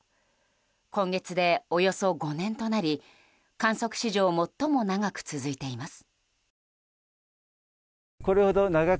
今月でおよそ５年となり観測史上最も長く続いています。